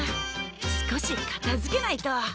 少し片づけないと。